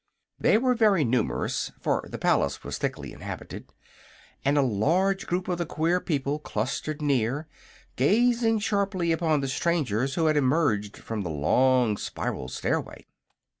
These were very numerous, for the palace was thickly inhabited, and a large group of the queer people clustered near, gazing sharply upon the strangers who had emerged from the long spiral stairway.